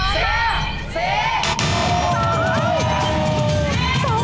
แจ็คพลตสู้